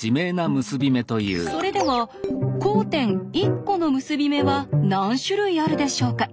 それでは交点１コの結び目は何種類あるでしょうか？